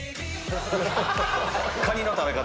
カニの食べ方。